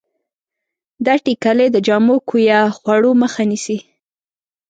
دا ټېکلې د جامو کویه خوړو مخه نیسي.